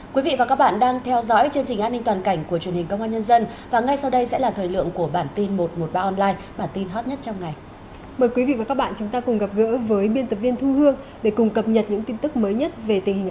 các bạn hãy đăng ký kênh để ủng hộ kênh của chúng mình nhé